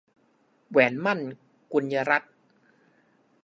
แหวนหมั้น - กุลรัตน์